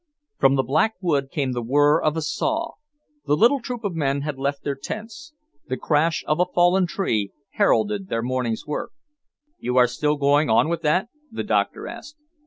From the Black Wood came the whirr of a saw. The little troop of men had left their tents. The crash of a fallen tree heralded their morning's work. "You are still going on with that?" the doctor asked.